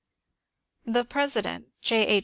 The president, J. H.